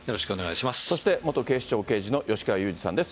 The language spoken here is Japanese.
そして元警視庁刑事の吉川祐二さんです。